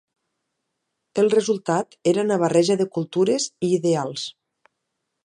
El resultat era una barreja de cultures i ideals.